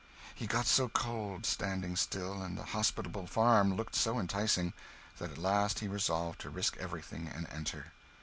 He got so cold, standing still, and the hospitable barn looked so enticing, that at last he resolved to risk everything and enter.